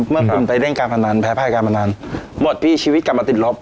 เมื่อคุณไปเล่นการพนันแพ้ภายการพนันหมดพี่ชีวิตกลับมาติดลบ